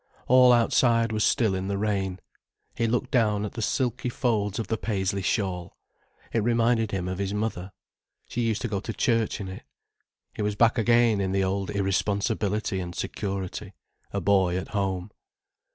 All outside was still in the rain. He looked down at the silky folds of the paisley shawl. It reminded him of his mother. She used to go to church in it. He was back again in the old irresponsibility and security, a boy at home.